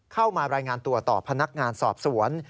เข้ามารายงานตัวต่อพนักงานสอบสวน